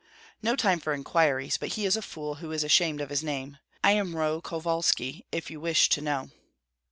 "No time for inquiries, but he is a fool who is ashamed of his name. I am Roh Kovalski, if you wish to know."